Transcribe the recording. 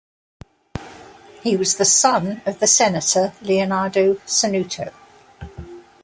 He was the son of the senator Leonardo Sanuto.